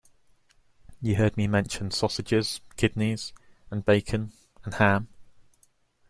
You heard me mention sausages, kidneys and bacon and ham.